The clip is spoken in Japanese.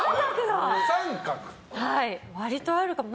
割とあるかも。